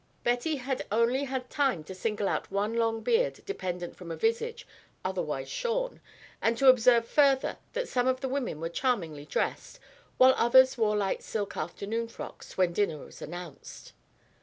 Betty had only had time to single out one long beard dependent from a visage otherwise shorn, and to observe further that some of the women were charmingly dressed, while others wore light silk afternoon frocks, when dinner was announced.